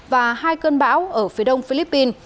và hai cơn bão ở phía đông philippines